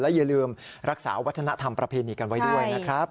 อย่าลืมรักษาวัฒนธรรมประเพณีกันไว้ด้วยนะครับ